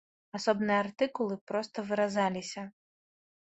Асобныя артыкулы проста выразаліся.